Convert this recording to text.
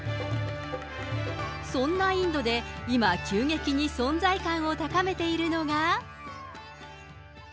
そんなインドで今、急激に存在感を高めているのが。